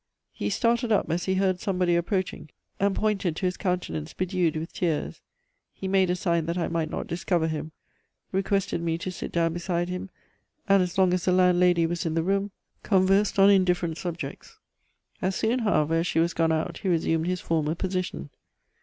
He started up as he heard somebody approaching, and pointed to his countenance bedewed with tears. He made a sign that I might not discover him, requested me to sit down beside him, and as long as the landlady was in the room, conversed on indifferent subjects. As soon, however, as she was gone out he resumed his former position.